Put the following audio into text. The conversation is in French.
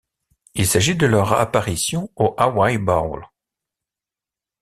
Il s'agit de leur apparition au Hawaii Bowl.